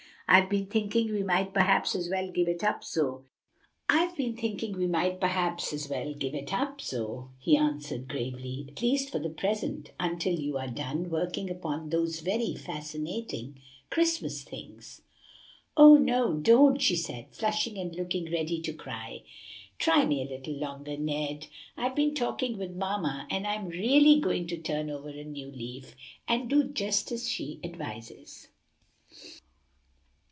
"I've been thinking we might perhaps as well give it up, Zoe," he answered gravely, "at least for the present, until you are done working upon those very fascinating Christmas things." "Oh no, don't!" she said, flushing and looking ready to cry, "try me a little longer, Ned; I've been talking with mamma, and I'm really going to turn over a new leaf and do just as she advises."